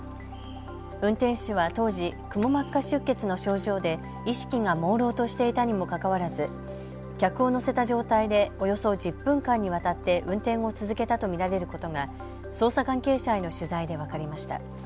運転手は当時、くも膜下出血の症状で意識がもうろうとしていたにもかかわらず客を乗せた状態でおよそ１０分間にわたって運転を続けたと見られることが捜査関係者への取材で分かりました。